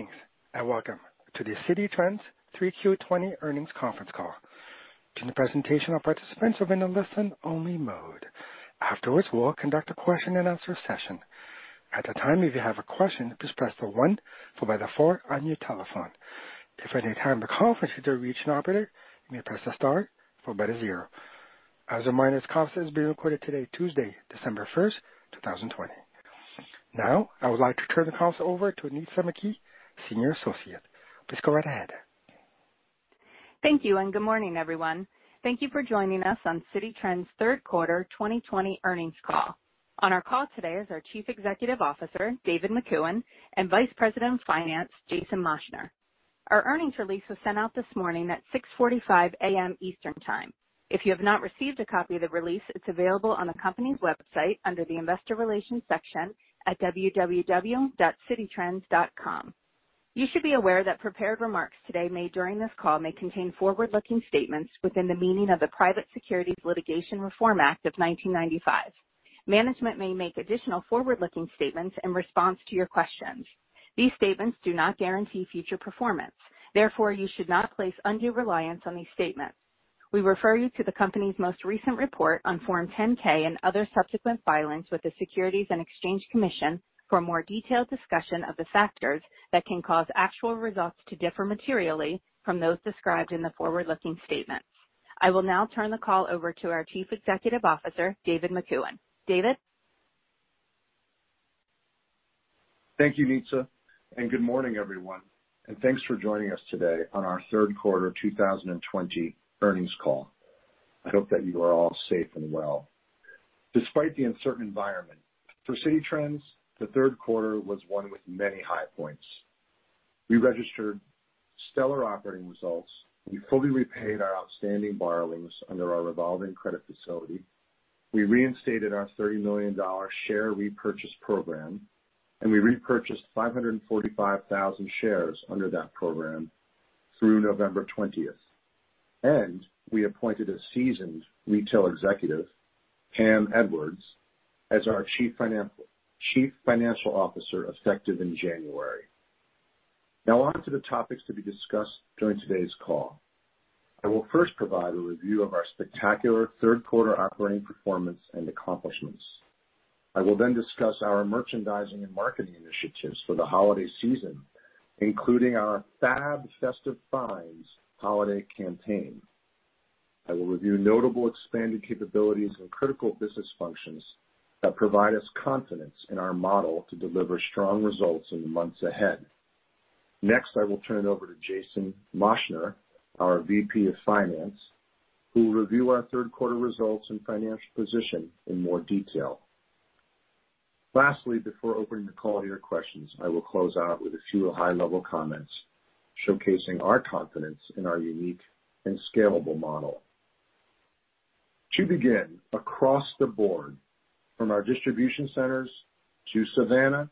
Greetings and welcome to the Citi Trends 3Q 2020 earnings conference call. During the presentation, all participants will be in a listen-only mode. Afterwards, we will conduct a question-and-answer session. At that time, if you have a question, please press the 1 followed by the 4 on your telephone. If at any time the call is interrupted or you reach an operator, you may press the star followed by the zero. As a reminder, this conference is being recorded today, Tuesday, December 1st, 2020. Now, I would like to turn the conference over to Nitza McKee, Senior Associate. Please go right ahead. Thank you and good morning, everyone. Thank you for joining us on Citi Trends' third quarter 2020 earnings call. On our call today is our Chief Executive Officer, David Makuen, and Vice President of Finance, Jason Moschner. Our earnings release was sent out this morning at 6:45 A.M. Eastern Time. If you have not received a copy of the release, it's available on the company's website under the Investor Relations section at www.cititrends.com. You should be aware that prepared remarks today made during this call may contain forward-looking statements within the meaning of the Private Securities Litigation Reform Act of 1995. Management may make additional forward-looking statements in response to your questions. These statements do not guarantee future performance. Therefore, you should not place undue reliance on these statements. We refer you to the company's most recent report on Form 10-K and other subsequent filings with the Securities and Exchange Commission for a more detailed discussion of the factors that can cause actual results to differ materially from those described in the forward-looking statements. I will now turn the call over to our Chief Executive Officer, David Makuen. David. Thank you, Nitza, and good morning, everyone. Thanks for joining us today on our third quarter 2020 earnings call. I hope that you are all safe and well. Despite the uncertain environment for Citi Trends, the third quarter was one with many high points. We registered stellar operating results. We fully repaid our outstanding borrowings under our revolving credit facility. We reinstated our $30 million share repurchase program, and we repurchased 545,000 shares under that program through November 20th. We appointed a seasoned retail executive, Pam Edwards, as our Chief Financial Officer effective in January. Now, on to the topics to be discussed during today's call. I will first provide a review of our spectacular third quarter operating performance and accomplishments. I will then discuss our merchandising and marketing initiatives for the holiday season, including our Fab Festive Finds holiday campaign. I will review notable expanded capabilities and critical business functions that provide us confidence in our model to deliver strong results in the months ahead. Next, I will turn it over to Jason Moschner, our VP of Finance, who will review our third quarter results and financial position in more detail. Lastly, before opening the call to your questions, I will close out with a few high-level comments showcasing our confidence in our unique and scalable model. To begin, across the board, from our distribution centers to Savannah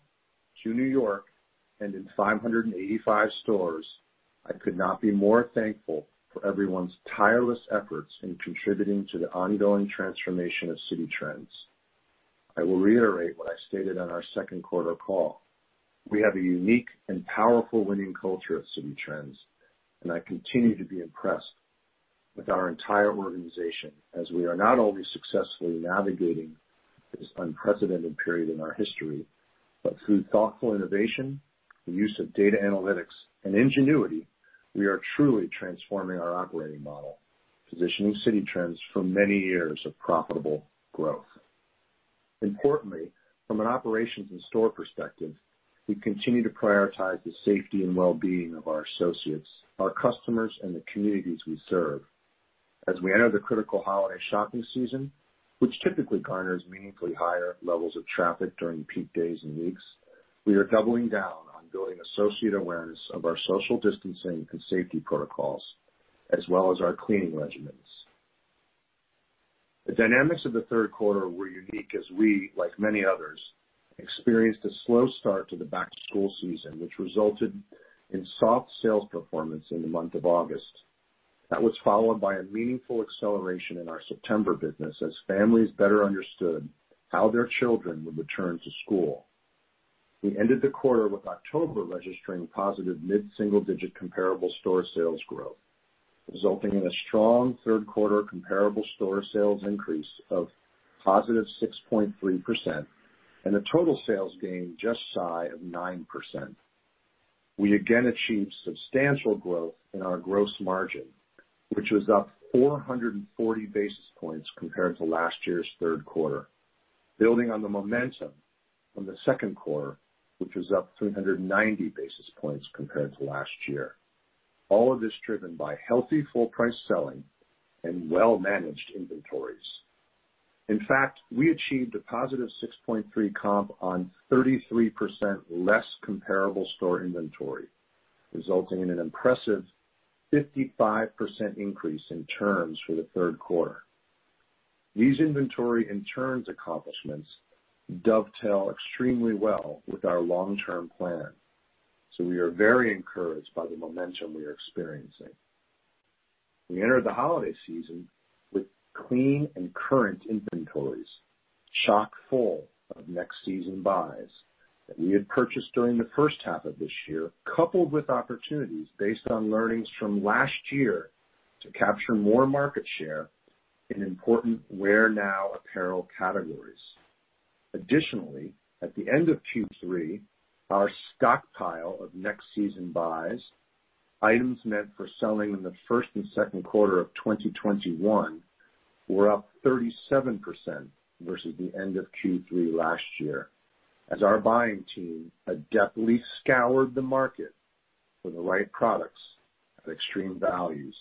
to New York and in 585 stores, I could not be more thankful for everyone's tireless efforts in contributing to the ongoing transformation of Citi Trends. I will reiterate what I stated on our second quarter call. We have a unique and powerful winning culture at Citi Trends, and I continue to be impressed with our entire organization as we are not only successfully navigating this unprecedented period in our history, but through thoughtful innovation, the use of data analytics, and ingenuity, we are truly transforming our operating model, positioning Citi Trends for many years of profitable growth. Importantly, from an operations and store perspective, we continue to prioritize the safety and well-being of our associates, our customers, and the communities we serve. As we enter the critical holiday shopping season, which typically garners meaningfully higher levels of traffic during peak days and weeks, we are doubling down on building associate awareness of our social distancing and safety protocols, as well as our cleaning regimens. The dynamics of the third quarter were unique as we, like many others, experienced a slow start to the back-to-school season, which resulted in soft sales performance in the month of August. That was followed by a meaningful acceleration in our September business as families better understood how their children would return to school. We ended the quarter with October registering positive mid-single-digit comparable store sales growth, resulting in a strong third quarter comparable store sales increase of positive 6.3% and a total sales gain just shy of 9%. We again achieved substantial growth in our gross margin, which was up 440 basis points compared to last year's third quarter, building on the momentum from the second quarter, which was up 390 basis points compared to last year. All of this driven by healthy full-price selling and well-managed inventories. In fact, we achieved a positive 6.3% comp on 33% less comparable store inventory, resulting in an impressive 55% increase in terms for the third quarter. These inventory and terms accomplishments dovetail extremely well with our long-term plan, so we are very encouraged by the momentum we are experiencing. We entered the holiday season with clean and current inventories, chock-full of next season buys that we had purchased during the first half of this year, coupled with opportunities based on learnings from last year to capture more market share in important wear-now apparel categories. Additionally, at the end of Q3, our stockpile of next season buys, items meant for selling in the first and second quarter of 2021, were up 37% versus the end of Q3 last year, as our buying team adeptly scoured the market for the right products at extreme values.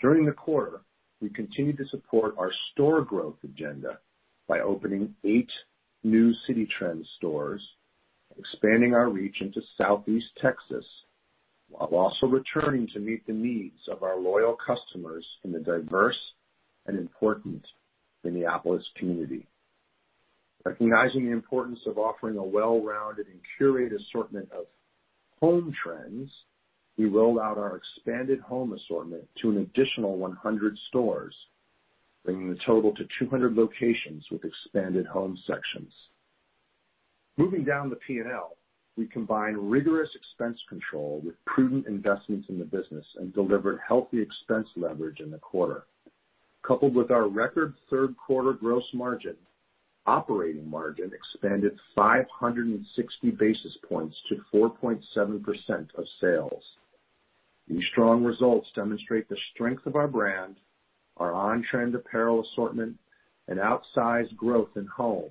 During the quarter, we continued to support our store growth agenda by opening eight new Citi Trends stores, expanding our reach into Southeast Texas, while also returning to meet the needs of our loyal customers in the diverse and important Minneapolis community. Recognizing the importance of offering a well-rounded and curated assortment of home trends, we rolled out our expanded home assortment to an additional 100 stores, bringing the total to 200 locations with expanded home sections. Moving down the P&L, we combined rigorous expense control with prudent investments in the business and delivered healthy expense leverage in the quarter. Coupled with our record third quarter gross margin, operating margin expanded 560 basis points to 4.7% of sales. These strong results demonstrate the strength of our brand, our on-trend apparel assortment, and outsized growth in home,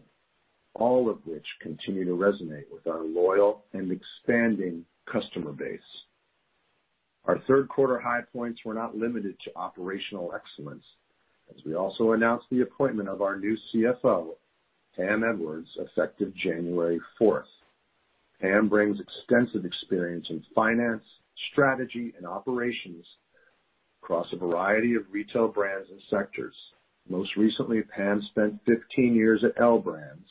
all of which continue to resonate with our loyal and expanding customer base. Our third quarter high points were not limited to operational excellence, as we also announced the appointment of our new CFO, Pam Edwards, effective January 4th. Pam brings extensive experience in finance, strategy, and operations across a variety of retail brands and sectors. Most recently, Pam spent 15 years at L Brands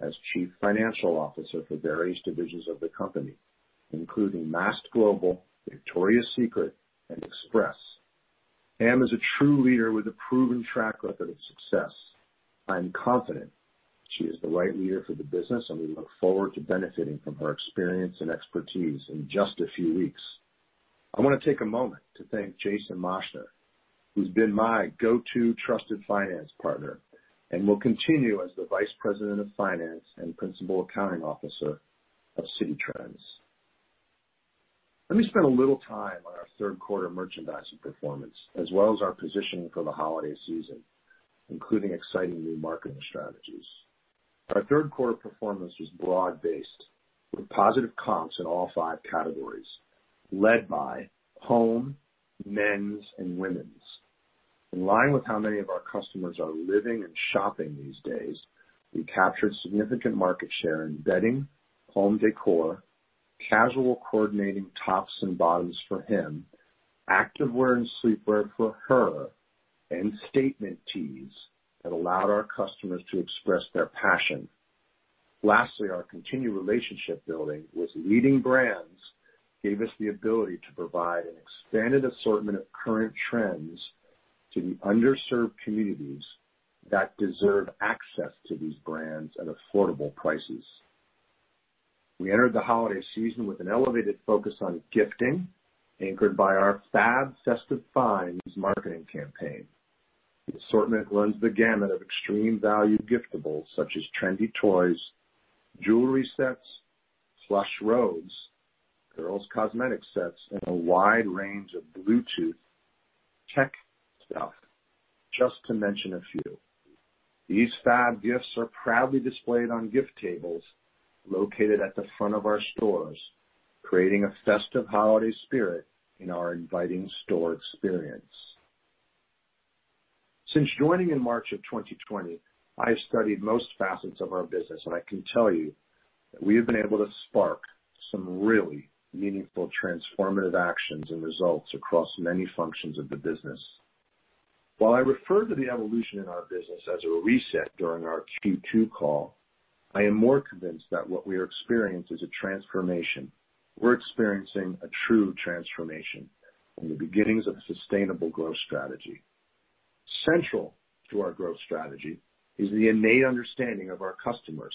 as Chief Financial Officer for various divisions of the company, including Mast Global, Victoria's Secret, and Express. Pam is a true leader with a proven track record of success. I'm confident she is the right leader for the business, and we look forward to benefiting from her experience and expertise in just a few weeks. I want to take a moment to thank Jason Moschner, who's been my go-to trusted finance partner and will continue as the Vice President of Finance and Principal Accounting Officer of Citi Trends. Let me spend a little time on our third quarter merchandising performance, as well as our positioning for the holiday season, including exciting new marketing strategies. Our third quarter performance was broad-based with positive comps in all five categories, led by home, men's, and women's. In line with how many of our customers are living and shopping these days, we captured significant market share in bedding, home décor, casual coordinating tops and bottoms for him, active wear and sleepwear for her, and statement tees that allowed our customers to express their passion. Lastly, our continued relationship building with leading brands gave us the ability to provide an expanded assortment of current trends to the underserved communities that deserve access to these brands at affordable prices. We entered the holiday season with an elevated focus on gifting, anchored by our Fab Festive Finds marketing campaign. The assortment runs the gamut of extreme value giftables such as trendy toys, jewelry sets, plush robes, girls' cosmetic sets, and a wide range of Bluetooth tech stuff, just to mention a few. These fab gifts are proudly displayed on gift tables located at the front of our stores, creating a festive holiday spirit in our inviting store experience. Since joining in March of 2020, I have studied most facets of our business, and I can tell you that we have been able to spark some really meaningful transformative actions and results across many functions of the business. While I refer to the evolution in our business as a reset during our Q2 call, I am more convinced that what we are experiencing is a transformation. We're experiencing a true transformation from the beginnings of a sustainable growth strategy. Central to our growth strategy is the innate understanding of our customers,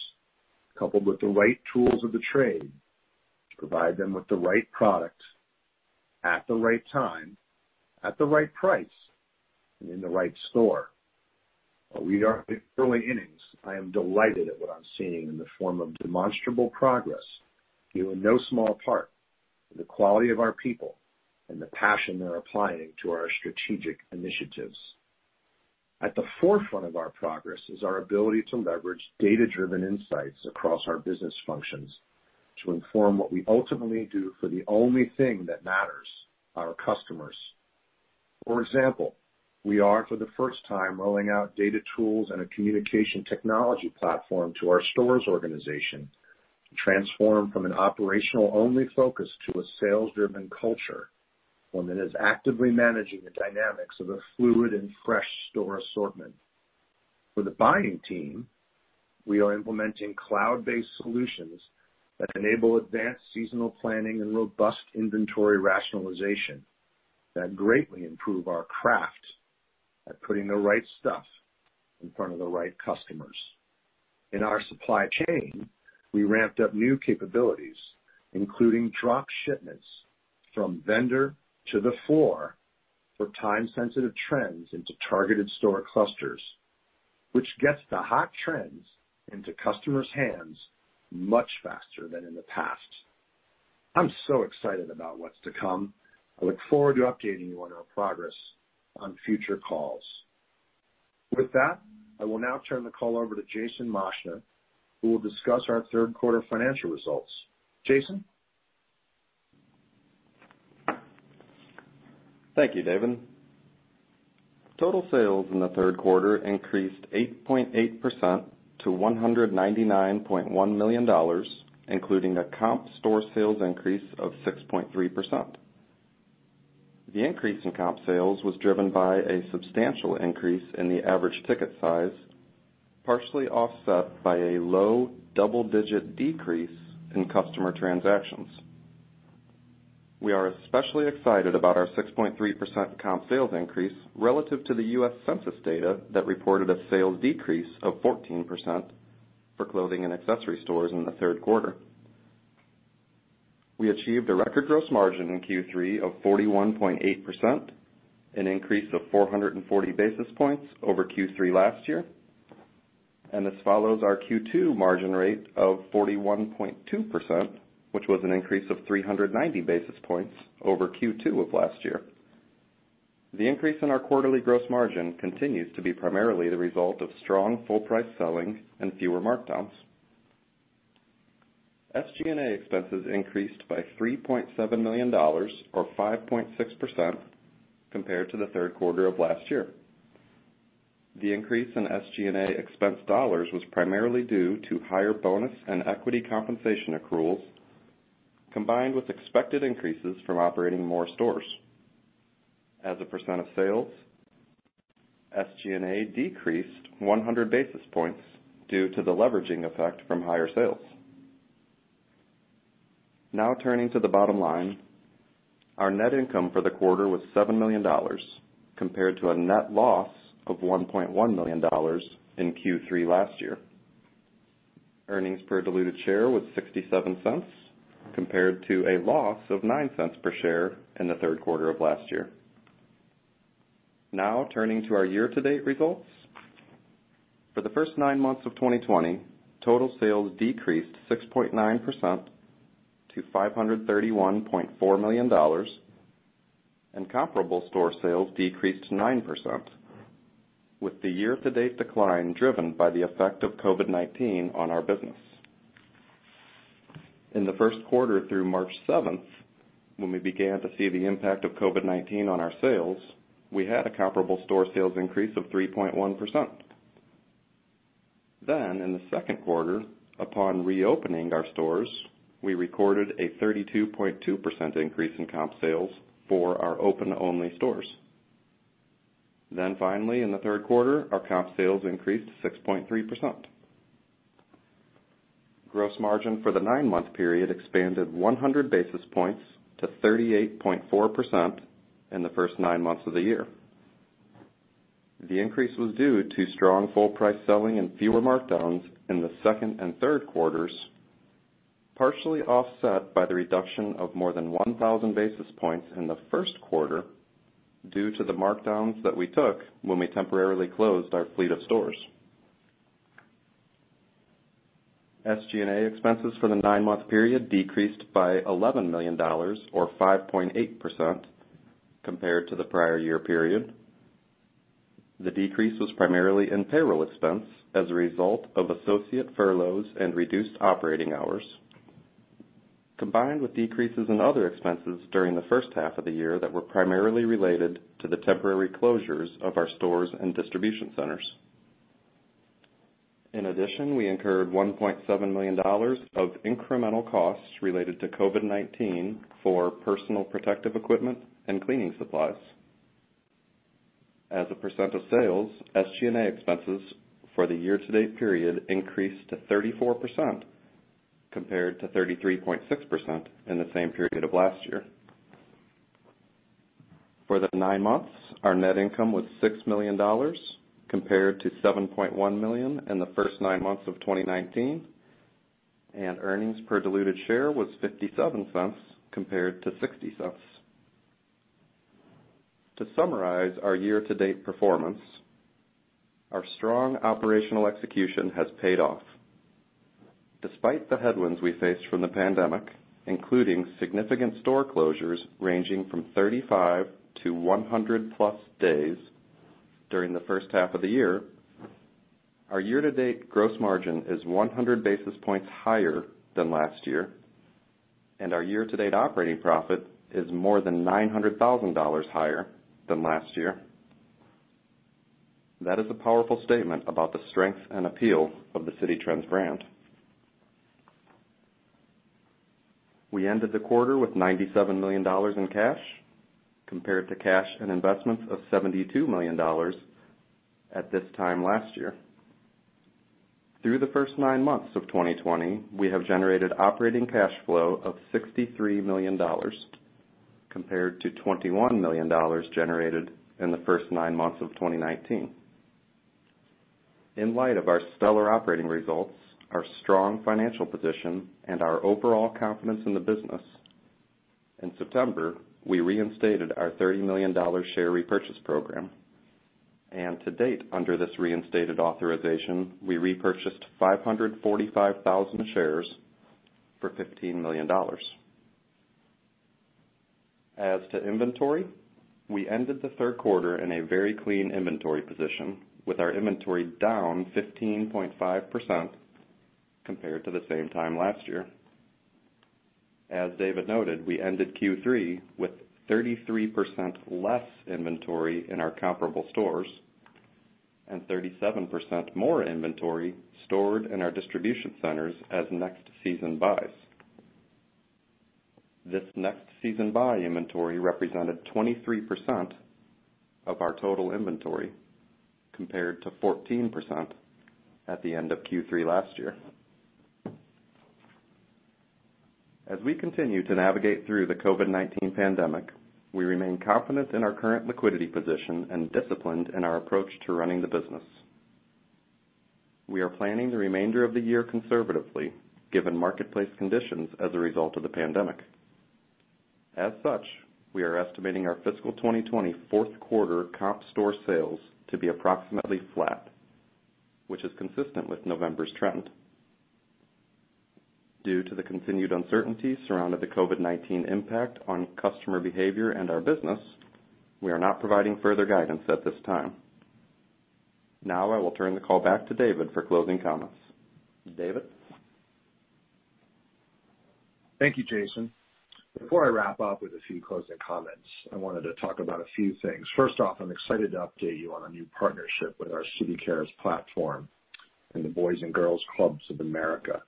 coupled with the right tools of the trade to provide them with the right product at the right time, at the right price, and in the right store. While we are in the early innings, I am delighted at what I'm seeing in the form of demonstrable progress due in no small part to the quality of our people and the passion they're applying to our strategic initiatives. At the forefront of our progress is our ability to leverage data-driven insights across our business functions to inform what we ultimately do for the only thing that matters: our customers. For example, we are, for the first time, rolling out data tools and a communication technology platform to our stores organization to transform from an operational-only focus to a sales-driven culture. One that is actively managing the dynamics of a fluid and fresh store assortment. For the buying team, we are implementing cloud-based solutions that enable advanced seasonal planning and robust inventory rationalization that greatly improve our craft at putting the right stuff in front of the right customers. In our supply chain, we ramped up new capabilities, including drop shipments from vendor to the floor for time-sensitive trends into targeted store clusters, which gets the hot trends into customers' hands much faster than in the past. I'm so excited about what's to come. I look forward to updating you on our progress on future calls. With that, I will now turn the call over to Jason Moschner, who will discuss our third quarter financial results. Jason? Thank you, David. Total sales in the third quarter increased 8.8% to $199.1 million, including a comp store sales increase of 6.3%. The increase in comp sales was driven by a substantial increase in the average ticket size, partially offset by a low double-digit decrease in customer transactions. We are especially excited about our 6.3% comp sales increase relative to the U.S. Census data that reported a sales decrease of 14% for clothing and accessory stores in the third quarter. We achieved a record gross margin in Q3 of 41.8%, an increase of 440 basis points over Q3 last year, and this follows our Q2 margin rate of 41.2%, which was an increase of 390 basis points over Q2 of last year. The increase in our quarterly gross margin continues to be primarily the result of strong full-price selling and fewer markdowns. SG&A expenses increased by $3.7 million, or 5.6%, compared to the third quarter of last year. The increase in SG&A expense dollars was primarily due to higher bonus and equity compensation accruals, combined with expected increases from operating more stores. As a percent of sales, SG&A decreased 100 basis points due to the leveraging effect from higher sales. Now turning to the bottom line, our net income for the quarter was $7 million, compared to a net loss of $1.1 million in Q3 last year. Earnings per diluted share was $0.67, compared to a loss of $0.09 per share in the third quarter of last year. Now turning to our year-to-date results. For the first nine months of 2020, total sales decreased 6.9% to $531.4 million, and comparable store sales decreased 9%, with the year-to-date decline driven by the effect of COVID-19 on our business. In the first quarter through March 7th, when we began to see the impact of COVID-19 on our sales, we had a comparable store sales increase of 3.1%. In the second quarter, upon reopening our stores, we recorded a 32.2% increase in comp sales for our open-only stores. Finally, in the third quarter, our comp sales increased 6.3%. Gross margin for the nine-month period expanded 100 basis points to 38.4% in the first nine months of the year. The increase was due to strong full-price selling and fewer markdowns in the second and third quarters, partially offset by the reduction of more than 1,000 basis points in the first quarter due to the markdowns that we took when we temporarily closed our fleet of stores. SG&A expenses for the nine-month period decreased by $11 million, or 5.8%, compared to the prior year period. The decrease was primarily in payroll expense as a result of associate furloughs and reduced operating hours, combined with decreases in other expenses during the first half of the year that were primarily related to the temporary closures of our stores and distribution centers. In addition, we incurred $1.7 million of incremental costs related to COVID-19 for personal protective equipment and cleaning supplies. As a percent of sales, SG&A expenses for the year-to-date period increased 34%, compared to 33.6% in the same period of last year. For the nine months, our net income was $6 million, compared to $7.1 million in the first nine months of 2019, and earnings per diluted share was $0.57, compared to $0.60. To summarize our year-to-date performance, our strong operational execution has paid off. Despite the headwinds we faced from the pandemic, including significant store closures ranging from 35-100-plus days during the first half of the year, our year-to-date gross margin is 100 basis points higher than last year, and our year-to-date operating profit is more than $900,000 higher than last year. That is a powerful statement about the strength and appeal of the Citi Trends brand. We ended the quarter with $97 million in cash, compared to cash and investments of $72 million at this time last year. Through the first nine months of 2020, we have generated operating cash flow of $63 million, compared to $21 million generated in the first nine months of 2019. In light of our stellar operating results, our strong financial position, and our overall confidence in the business, in September, we reinstated our $30 million share repurchase program, and to date, under this reinstated authorization, we repurchased 545,000 shares for $15 million. As to inventory, we ended the third quarter in a very clean inventory position, with our inventory down 15.5% compared to the same time last year. As David noted, we ended Q3 with 33% less inventory in our comparable stores and 37% more inventory stored in our distribution centers as next season buys. This next season buy inventory represented 23% of our total inventory, compared to 14% at the end of Q3 last year. As we continue to navigate through the COVID-19 pandemic, we remain confident in our current liquidity position and disciplined in our approach to running the business. We are planning the remainder of the year conservatively, given marketplace conditions as a result of the pandemic. As such, we are estimating our fiscal 2020 fourth quarter comp store sales to be approximately flat, which is consistent with November's trend. Due to the continued uncertainty surrounding the COVID-19 impact on customer behavior and our business, we are not providing further guidance at this time. Now, I will turn the call back to David for closing comments. David? Thank you, Jason. Before I wrap up with a few closing comments, I wanted to talk about a few things. First off, I'm excited to update you on a new partnership with our City Cares platform and the Boys and Girls Clubs of America.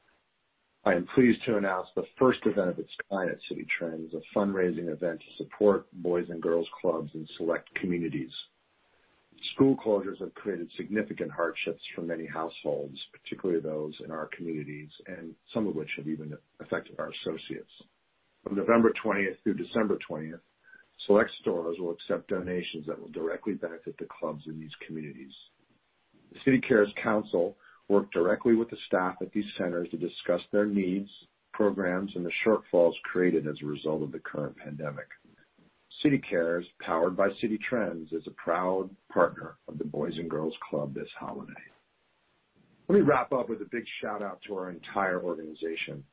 I am pleased to announce the first event of its kind at Citi Trends, a fundraising event to support Boys and Girls Clubs and select communities. School closures have created significant hardships for many households, particularly those in our communities, and some of which have even affected our associates. From November 20th through December 20th, select stores will accept donations that will directly benefit the clubs in these communities. The City Cares Council worked directly with the staff at these centers to discuss their needs, programs, and the shortfalls created as a result of the current pandemic. City Cares, powered by Citi Trends, is a proud partner of the Boys and Girls Clubs this holiday. Let me wrap up with a big shout-out to our entire organization.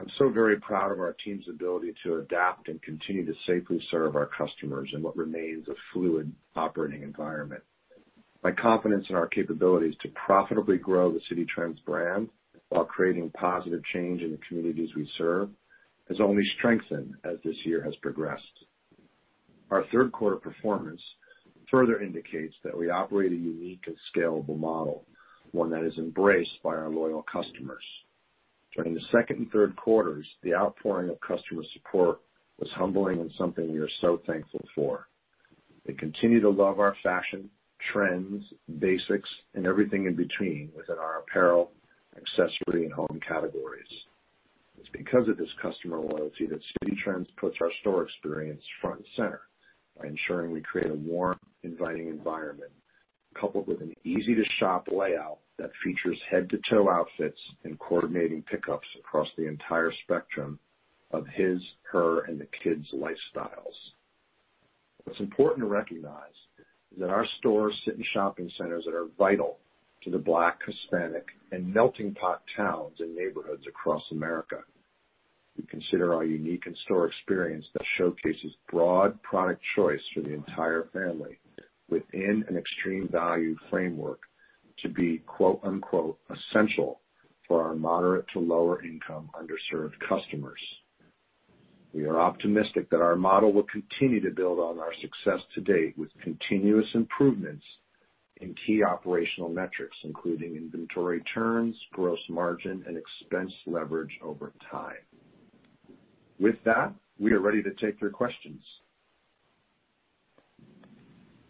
I'm so very proud of our team's ability to adapt and continue to safely serve our customers in what remains a fluid operating environment. My confidence in our capabilities to profitably grow the Citi Trends brand while creating positive change in the communities we serve has only strengthened as this year has progressed. Our third quarter performance further indicates that we operate a unique and scalable model, one that is embraced by our loyal customers. During the second and third quarters, the outpouring of customer support was humbling and something we are so thankful for. They continue to love our fashion, trends, basics, and everything in between within our apparel, accessory, and home categories. It's because of this customer loyalty that Citi Trends puts our store experience front and center by ensuring we create a warm, inviting environment, coupled with an easy-to-shop layout that features head-to-toe outfits and coordinating pickups across the entire spectrum of his, her, and the kids' lifestyles. What's important to recognize is that our stores sit in shopping centers that are vital to the Black, Hispanic, and melting pot towns and neighborhoods across America. We consider our unique in-store experience that showcases broad product choice for the entire family within an extreme value framework to be "essential" for our moderate to lower-income underserved customers. We are optimistic that our model will continue to build on our success to date with continuous improvements in key operational metrics, including inventory turns, gross margin, and expense leverage over time. With that, we are ready to take your questions.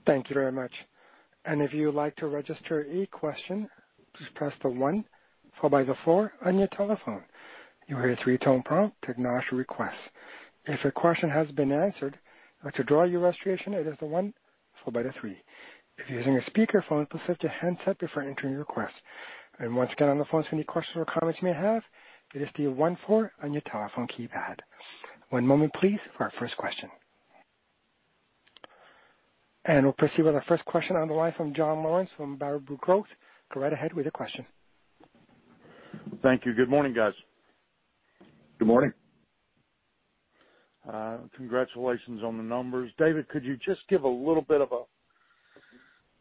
Thank you very much. If you would like to register a question, just press the 1 followed by the 4 on your telephone. You will hear a three-tone prompt to acknowledge your request. If a question has been answered, or to withdraw your reservation, it is the 1 followed by the 3. If you're using a speakerphone, please switch to handset before entering your request. Once again, on the phone, if you have any questions or comments you may have, it is the 1, 4 on your telephone keypad. One moment, please, for our first question. We will proceed with our first question on the line from John Lawrence from Bower Brook Growth. Go right ahead with your question. Thank you. Good morning, guys. Good morning. Congratulations on the numbers. David, could you just give a little bit of a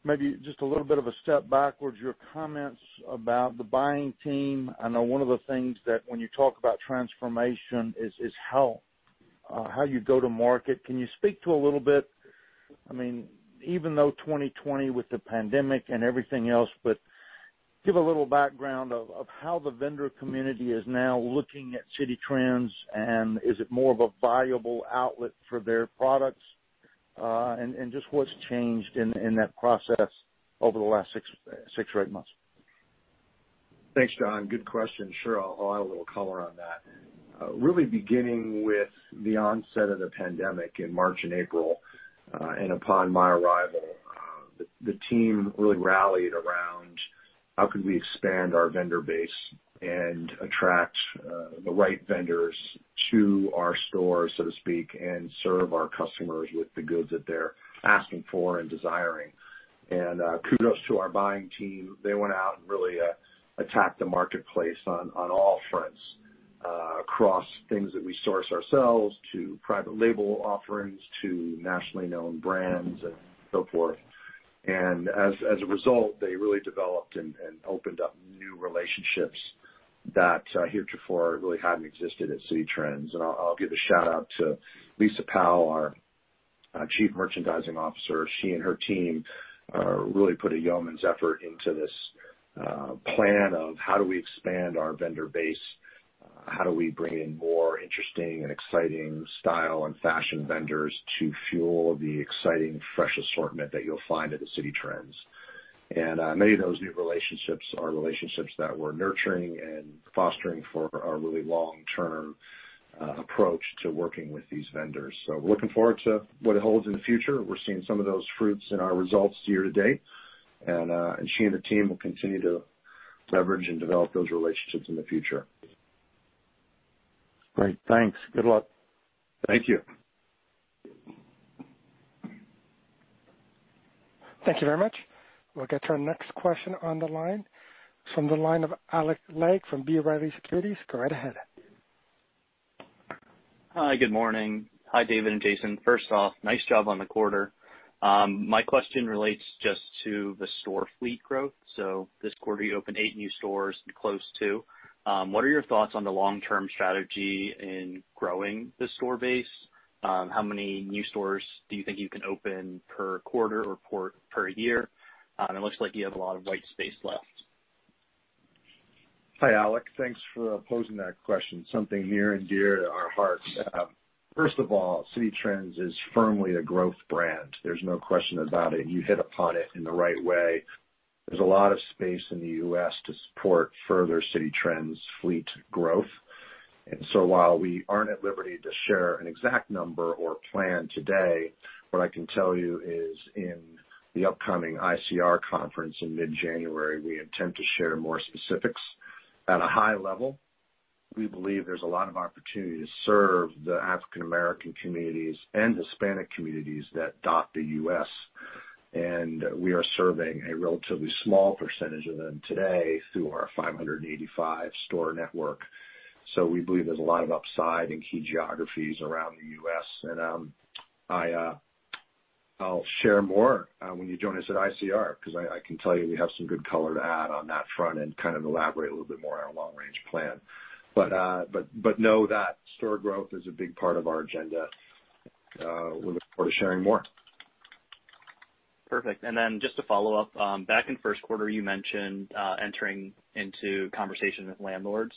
maybe just a little bit of a step backwards, your comments about the buying team? I know one of the things that when you talk about transformation is how you go to market. Can you speak to a little bit, I mean, even though 2020 with the pandemic and everything else, but give a little background of how the vendor community is now looking at Citi Trends, and is it more of a viable outlet for their products, and just what's changed in that process over the last six or eight months? Thanks, John. Good question. Sure, I'll add a little color on that. Really beginning with the onset of the pandemic in March and April, and upon my arrival, the team really rallied around how could we expand our vendor base and attract the right vendors to our stores, so to speak, and serve our customers with the goods that they're asking for and desiring. Kudos to our buying team. They went out and really attacked the marketplace on all fronts, across things that we source ourselves to private label offerings to nationally known brands and so forth. As a result, they really developed and opened up new relationships that heretofore really hadn't existed at Citi Trends. I'll give a shout-out to Lisa Powell, our Chief Merchandising Officer. She and her team really put a yeoman's effort into this plan of how do we expand our vendor base, how do we bring in more interesting and exciting style and fashion vendors to fuel the exciting fresh assortment that you'll find at Citi Trends. Many of those new relationships are relationships that we're nurturing and fostering for a really long-term approach to working with these vendors. We are looking forward to what it holds in the future. We are seeing some of those fruits in our results year to date. She and the team will continue to leverage and develop those relationships in the future. Great. Thanks. Good luck. Thank you. Thank you very much. We'll get to our next question on the line. It's from the line of Alec Legg from BYU Securities. Go right ahead. Hi, good morning. Hi, David and Jason. First off, nice job on the quarter. My question relates just to the store fleet growth. This quarter, you opened eight new stores and closed two. What are your thoughts on the long-term strategy in growing the store base? How many new stores do you think you can open per quarter or per year? It looks like you have a lot of white space left. Hi, Alec. Thanks for posing that question. Something near and dear to our hearts. First of all, Citi Trends is firmly a growth brand. There's no question about it. You hit upon it in the right way. There's a lot of space in the U.S. to support further Citi Trends fleet growth. While we aren't at liberty to share an exact number or plan today, what I can tell you is in the upcoming ICR conference in mid-January, we intend to share more specifics. At a high level, we believe there's a lot of opportunity to serve the African American communities and Hispanic communities that dot the U.S. We are serving a relatively small percentage of them today through our 585 store network. We believe there's a lot of upside in key geographies around the U.S. I'll share more when you join us at ICR because I can tell you we have some good color to add on that front and kind of elaborate a little bit more on our long-range plan. Know that store growth is a big part of our agenda. We'll look forward to sharing more. Perfect. Just to follow up, back in first quarter, you mentioned entering into conversation with landlords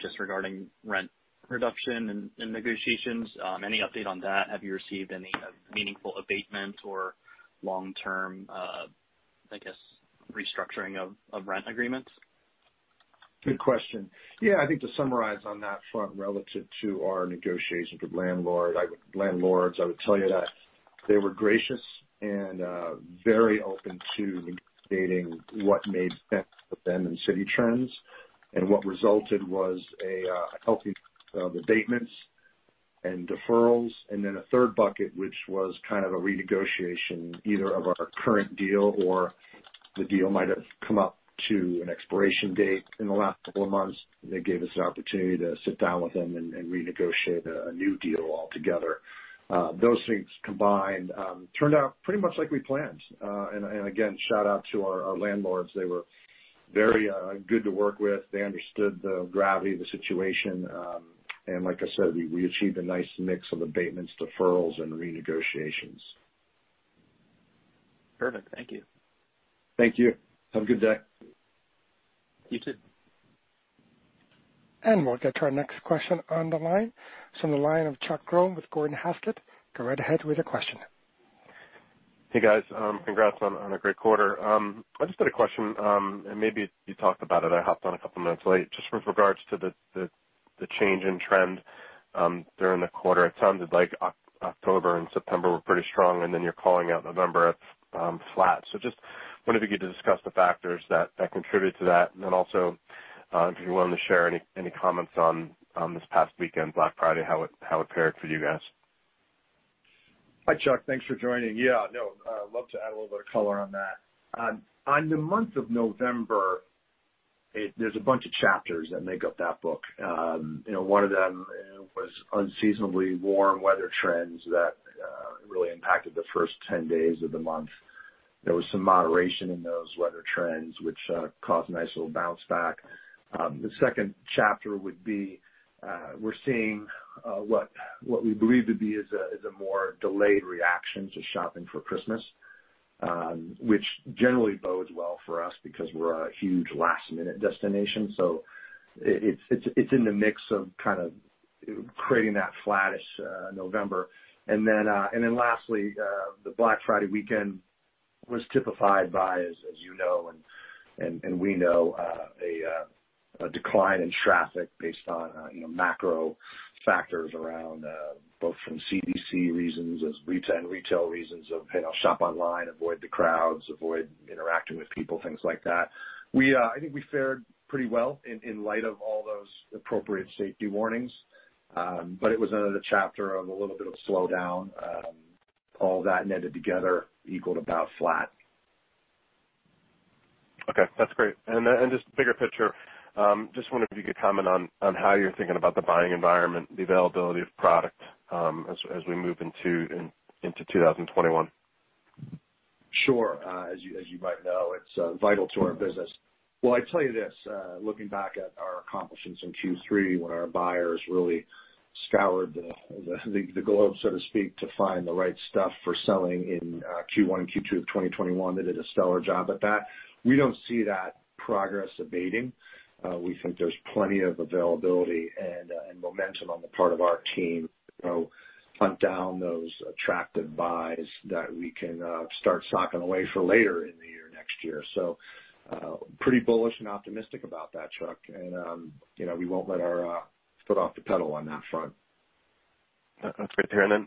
just regarding rent reduction and negotiations. Any update on that? Have you received any meaningful abatement or long-term, I guess, restructuring of rent agreements? Good question. Yeah, I think to summarize on that front relative to our negotiations with landlords, I would tell you that they were gracious and very open to negotiating what made sense for them and Citi Trends. What resulted was a healthy mix of abatements and deferrals. A third bucket was kind of a renegotiation, either of our current deal or the deal might have come up to an expiration date in the last couple of months. They gave us an opportunity to sit down with them and renegotiate a new deal altogether. Those things combined turned out pretty much like we planned. Again, shout-out to our landlords. They were very good to work with. They understood the gravity of the situation. Like I said, we achieved a nice mix of abatements, deferrals, and renegotiations. Perfect. Thank you. Thank you. Have a good day. You too. We will get to our next question on the line. It is from the line of Chuck Grom with Gordon Haskett. Go right ahead with your question. Hey, guys. Congrats on a great quarter. I just had a question, and maybe you talked about it. I hopped on a couple of minutes late. Just with regards to the change in trend during the quarter, it sounded like October and September were pretty strong, and you are calling out November as flat. Just wanted to get you to discuss the factors that contribute to that. Also, if you are willing to share any comments on this past weekend, Black Friday, how it fared for you guys. Hi, Chuck. Thanks for joining. Yeah, no, I'd love to add a little bit of color on that. On the month of November, there's a bunch of chapters that make up that book. One of them was unseasonably warm weather trends that really impacted the first 10 days of the month. There was some moderation in those weather trends, which caused a nice little bounce back. The second chapter would be we're seeing what we believe to be a more delayed reaction to shopping for Christmas, which generally bodes well for us because we're a huge last-minute destination. It's in the mix of kind of creating that flattish November. Lastly, the Black Friday weekend was typified by, as you know and we know, a decline in traffic based on macro factors around both from CDC reasons and retail reasons of, "Hey, I'll shop online, avoid the crowds, avoid interacting with people," things like that. I think we fared pretty well in light of all those appropriate safety warnings. It was another chapter of a little bit of slowdown. All that netted together equaled about flat. Okay. That's great. Just bigger picture, just wondered if you could comment on how you're thinking about the buying environment, the availability of product as we move into 2021. Sure. As you might know, it's vital to our business. I'll tell you this. Looking back at our accomplishments in Q3, when our buyers really scoured the globe, so to speak, to find the right stuff for selling in Q1 and Q2 of 2021, they did a stellar job at that. We do not see that progress abating. We think there's plenty of availability and momentum on the part of our team to hunt down those attractive buys that we can start socking away for later in the year next year. Pretty bullish and optimistic about that, Chuck. We will not let our foot off the pedal on that front. That's great to hear.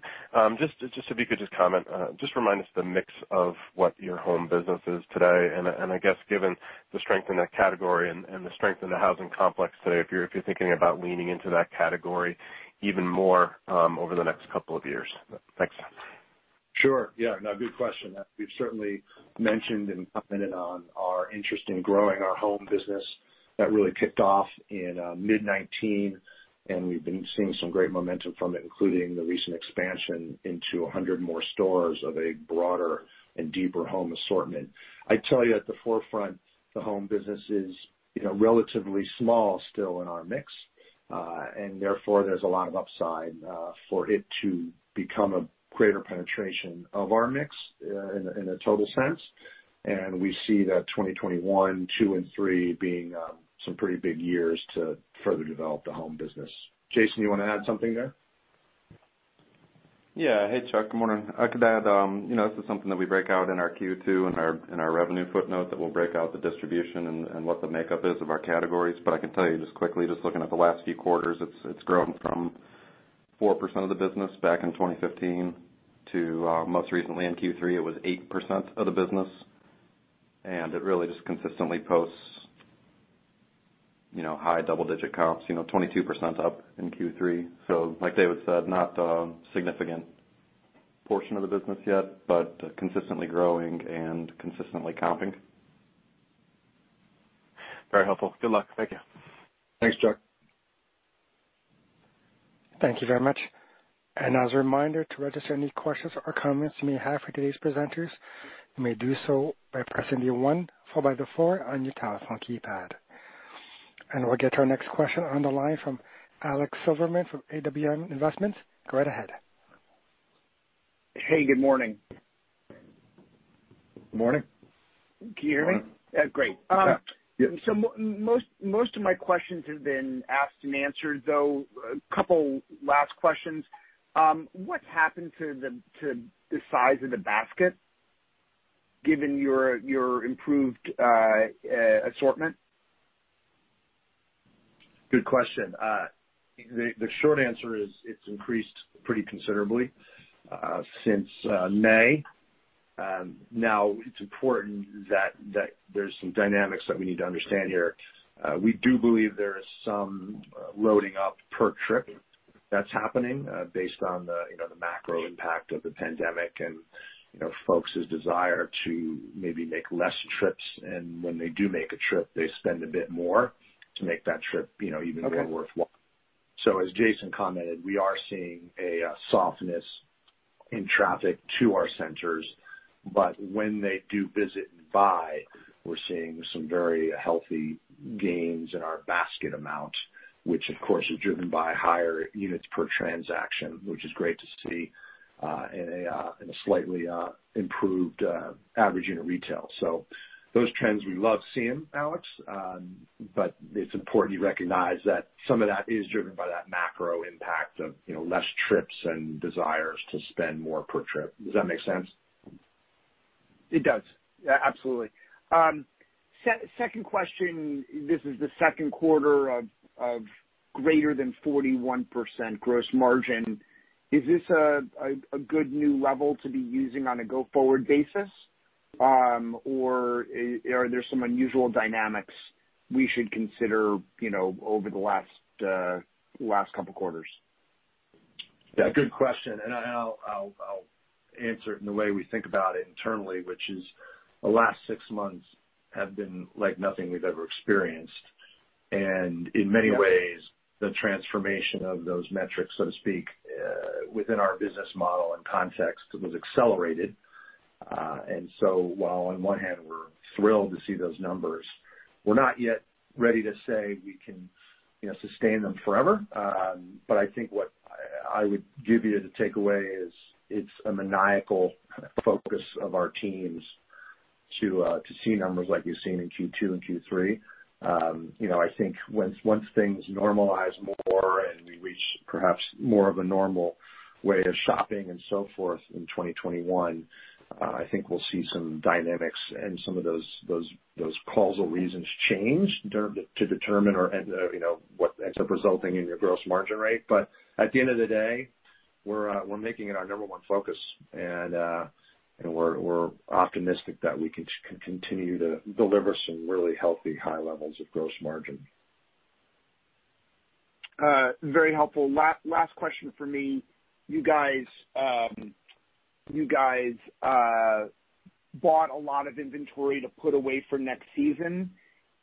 If you could just comment, just remind us the mix of what your home business is today. I guess given the strength in that category and the strength in the housing complex today, if you're thinking about leaning into that category even more over the next couple of years. Thanks. Sure. Yeah. No, good question. We've certainly mentioned and commented on our interest in growing our home business that really kicked off in mid-2019. We've been seeing some great momentum from it, including the recent expansion into 100 more stores of a broader and deeper home assortment. I would tell you at the forefront, the home business is relatively small still in our mix. Therefore, there is a lot of upside for it to become a greater penetration of our mix in a total sense. We see that 2021, 2022, and 2023 being some pretty big years to further develop the home business. Jason, you want to add something there? Yeah. Hey, Chuck. Good morning. I could add this is something that we break out in our Q2 and our revenue footnote that we'll break out the distribution and what the makeup is of our categories. I can tell you just quickly, just looking at the last few quarters, it's grown from 4% of the business back in 2015 to most recently in Q3, it was 8% of the business. It really just consistently posts high double-digit comps, 22% up in Q3. Like David said, not a significant portion of the business yet, but consistently growing and consistently comping. Very helpful. Good luck. Thank you. Thanks, Chuck. Thank you very much. As a reminder, to register any questions or comments you may have for today's presenters, you may do so by pressing the 1, followed by the 4 on your telephone keypad. We will get to our next question on the line from Alex Silverman from AWM Investments. Go right ahead. Hey, good morning. Good morning. Can you hear me? Yeah. Great. Yeah. Most of my questions have been asked and answered, though a couple last questions. What's happened to the size of the basket given your improved assortment? Good question. The short answer is it's increased pretty considerably since May. Now, it's important that there's some dynamics that we need to understand here. We do believe there is some loading up per trip that's happening based on the macro impact of the pandemic and folks' desire to maybe make less trips. When they do make a trip, they spend a bit more to make that trip even more worthwhile. As Jason commented, we are seeing a softness in traffic to our centers. When they do visit and buy, we're seeing some very healthy gains in our basket amount, which, of course, is driven by higher units per transaction, which is great to see in a slightly improved average unit retail. Those trends we love seeing, Alex. It's important you recognize that some of that is driven by that macro impact of less trips and desires to spend more per trip. Does that make sense? It does. Absolutely. Second question, this is the second quarter of greater than 41% gross margin. Is this a good new level to be using on a go-forward basis, or are there some unusual dynamics we should consider over the last couple of quarters? Yeah. Good question. I'll answer it in the way we think about it internally, which is the last six months have been like nothing we've ever experienced. In many ways, the transformation of those metrics, so to speak, within our business model and context was accelerated. While on one hand, we're thrilled to see those numbers, we're not yet ready to say we can sustain them forever. I think what I would give you to take away is it's a maniacal focus of our teams to see numbers like we've seen in Q2 and Q3. I think once things normalize more and we reach perhaps more of a normal way of shopping and so forth in 2021, I think we'll see some dynamics and some of those causal reasons change to determine what ends up resulting in your gross margin rate. At the end of the day, we're making it our number one focus. We're optimistic that we can continue to deliver some really healthy high levels of gross margin. Very helpful. Last question for me. You guys bought a lot of inventory to put away for next season.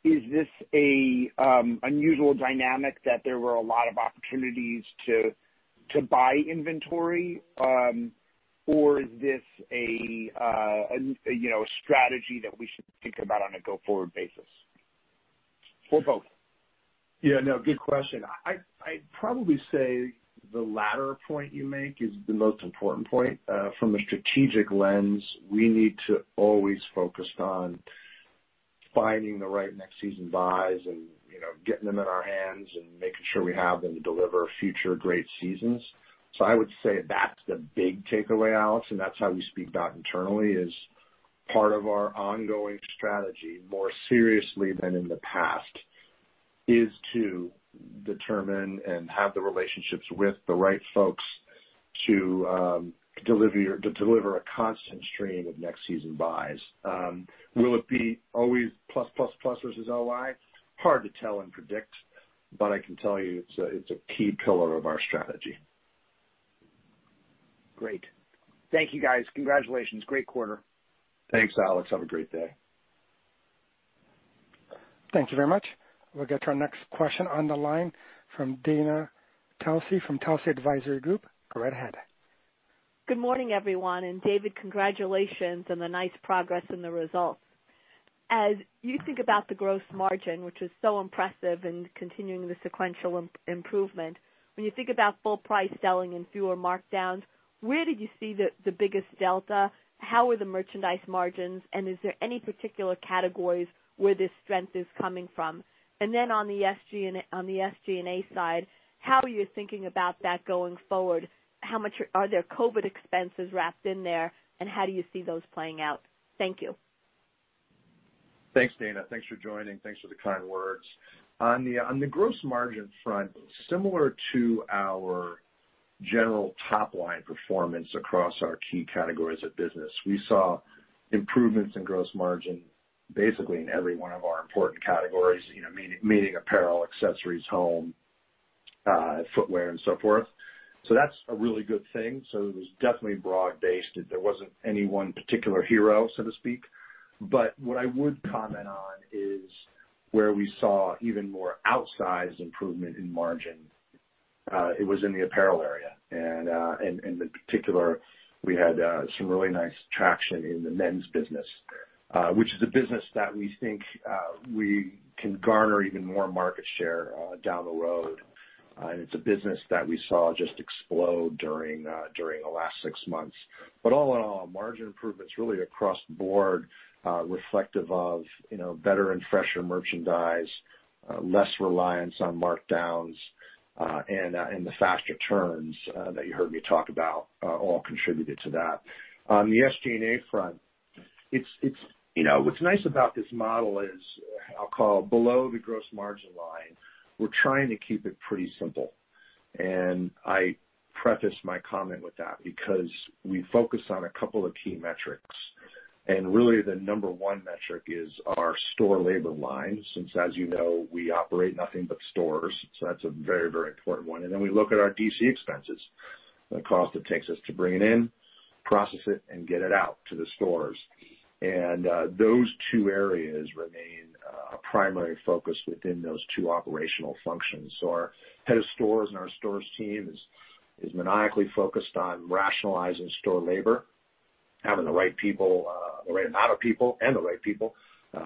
Is this an unusual dynamic that there were a lot of opportunities to buy inventory, or is this a strategy that we should think about on a go-forward basis or both? Yeah. No, good question. I'd probably say the latter point you make is the most important point. From a strategic lens, we need to always focus on finding the right next-season buys and getting them in our hands and making sure we have them to deliver future great seasons. I would say that's the big takeaway, Alex. That's how we speak about it internally as part of our ongoing strategy more seriously than in the past, to determine and have the relationships with the right folks to deliver a constant stream of next-season buys. Will it be always plus plus plus versus OI? Hard to tell and predict. I can tell you it's a key pillar of our strategy. Great. Thank you, guys. Congratulations. Great quarter. Thanks, Alex. Have a great day. Thank you very much. We'll get to our next question on the line from Dana Telsey from Telsey Advisory Group. Go right ahead. Good morning, everyone. David, congratulations on the nice progress in the results. As you think about the gross margin, which is so impressive and continuing the sequential improvement, when you think about full-price selling and fewer markdowns, where did you see the biggest delta? How were the merchandise margins? Is there any particular categories where this strength is coming from? On the SG&A side, how are you thinking about that going forward? Are there COVID expenses wrapped in there? How do you see those playing out? Thank you. Thanks, Dana. Thanks for joining. Thanks for the kind words. On the gross margin front, similar to our general top-line performance across our key categories of business, we saw improvements in gross margin basically in every one of our important categories, meaning apparel, accessories, home, footwear, and so forth. That is a really good thing. It was definitely broad-based. There was not any one particular hero, so to speak. What I would comment on is where we saw even more outsized improvement in margin. It was in the apparel area. In particular, we had some really nice traction in the men's business, which is a business that we think we can garner even more market share down the road. It is a business that we saw just explode during the last six months. All in all, margin improvements really across the board reflective of better and fresher merchandise, less reliance on markdowns, and the faster turns that you heard me talk about all contributed to that. On the SG&A front, what's nice about this model is I'll call it below the gross margin line, we're trying to keep it pretty simple. I preface my comment with that because we focus on a couple of key metrics. Really, the number one metric is our store labor line, since, as you know, we operate nothing but stores. That's a very, very important one. Then we look at our DC expenses, the cost it takes us to bring it in, process it, and get it out to the stores. Those two areas remain a primary focus within those two operational functions. Our head of stores and our stores team is maniacally focused on rationalizing store labor, having the right people, the right amount of people, and the right people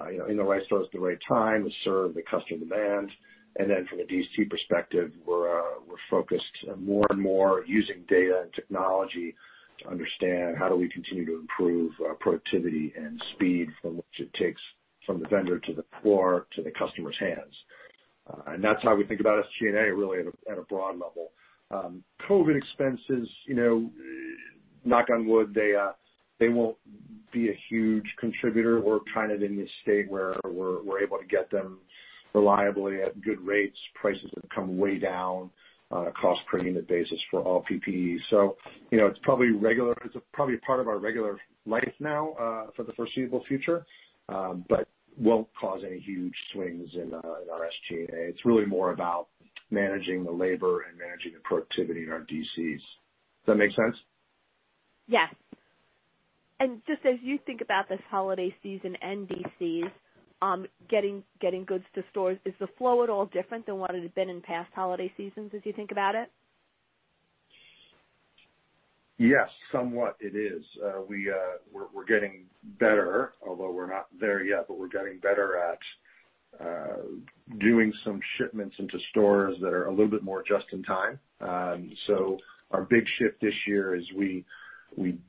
in the right stores at the right time to serve the customer demand. From a DC perspective, we're focused more and more using data and technology to understand how do we continue to improve productivity and speed from which it takes from the vendor to the floor to the customer's hands. That's how we think about SG&A really at a broad level. COVID expenses, knock on wood, they won't be a huge contributor. We're kind of in this state where we're able to get them reliably at good rates. Prices have come way down across per unit basis for all PPEs. It is probably a part of our regular life now for the foreseeable future, but will not cause any huge swings in our SG&A. It is really more about managing the labor and managing the productivity in our DCs. Does that make sense? Yes. Just as you think about this holiday season and DCs, getting goods to stores, is the flow at all different than what it had been in past holiday seasons as you think about it? Yes, somewhat it is. We're getting better, although we're not there yet, but we're getting better at doing some shipments into stores that are a little bit more just in time. Our big shift this year is we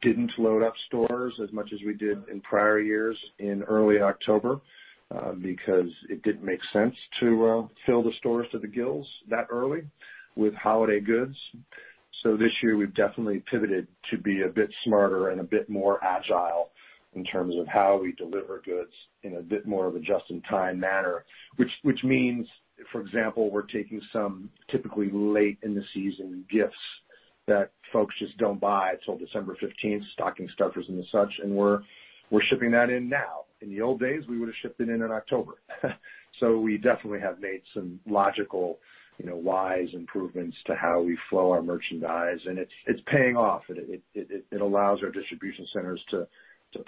did not load up stores as much as we did in prior years in early October because it did not make sense to fill the stores to the gills that early with holiday goods. This year, we've definitely pivoted to be a bit smarter and a bit more agile in terms of how we deliver goods in a bit more of a just-in-time manner, which means, for example, we're taking some typically late-in-the-season gifts that folks just do not buy till December 15th, stocking stuffers and such. We're shipping that in now. In the old days, we would have shipped it in in October. We definitely have made some logical, wise improvements to how we flow our merchandise. It is paying off. It allows our distribution centers to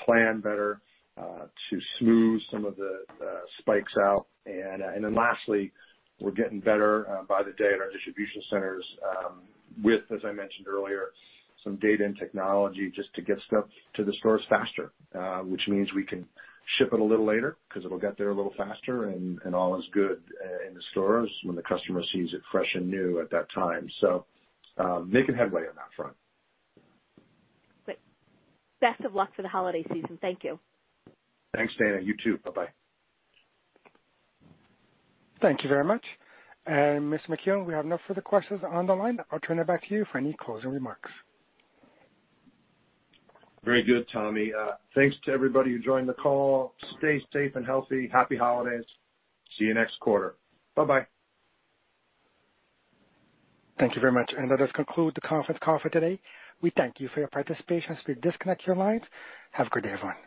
plan better, to smooth some of the spikes out. Lastly, we're getting better by the day at our distribution centers with, as I mentioned earlier, some data and technology just to get stuff to the stores faster, which means we can ship it a little later because it'll get there a little faster. All is good in the stores when the customer sees it fresh and new at that time. Making headway on that front. Great. Best of luck for the holiday season. Thank you. Thanks, Dana. You too. Bye-bye. Thank you very much. Mr. McKee, we have no further questions on the line. I'll turn it back to you for any closing remarks. Very good, Tommy. Thanks to everybody who joined the call. Stay safe and healthy. Happy holidays. See you next quarter. Bye-bye. Thank you very much. That does conclude the conference call for today. We thank you for your participation. Please disconnect your lines. Have a great day, everyone.